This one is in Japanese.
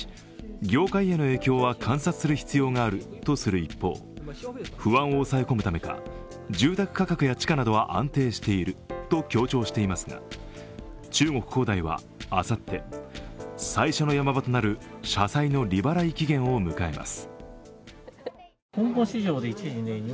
業界への影響は観察する必要があるとする一方、不安を抑え込むためか、住宅価格や地価などは安定していると強調していますが中国恒大はあさって最初の山場となる社債の利払い期限を迎えます。